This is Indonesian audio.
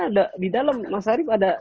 ada di dalam mas arief ada